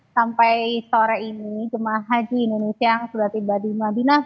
sampai sore ini jemaah haji indonesia yang sudah tiba di madinah